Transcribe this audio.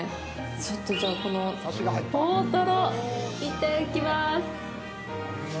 ちょっと、じゃあこの大トロいただきます。